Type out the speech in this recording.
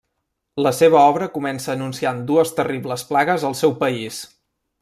La seva obra comença anunciant dues terribles plagues al seu país.